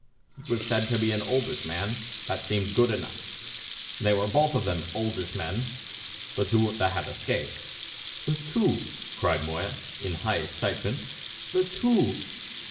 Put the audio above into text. He was said to be an oldish man; that seemed good enough; they were both of them oldish men, the two that had escaped." "The two!" cried Moya in high excitement. "The two!